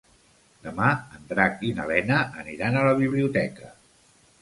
Demà en Drac i na Lena aniran a la biblioteca.